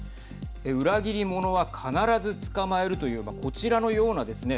裏切り者は必ず捕まえるというこちらのようなですね